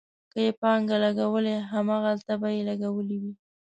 که یې پانګه لګولې، هماغلته به یې لګولې وي.